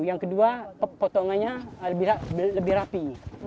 yang kedua potongannya lebih rapi